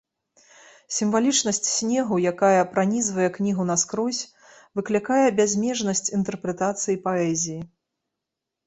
Сімвалічнасць снегу, якая пранізвае кнігу наскрозь, выклікае бязмежнасць інтэрпрэтацый паэзіі.